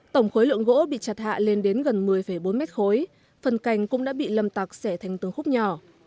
tổng khối lượng gỗ bị chặt hạ lên đến gần một mươi bốn mét khối phần cành cũng đã bị lâm tặc xẻ thành từng khúc nhỏ